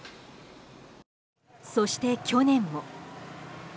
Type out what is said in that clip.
そして去年も。